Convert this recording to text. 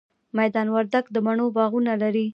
میدان وردګ د مڼو باغونه لري